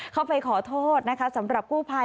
เข้าไปขอโทษนะคะสำหรับกู้ภัย